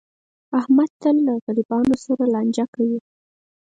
احمد تل له غریبانو سره لانجه کوي.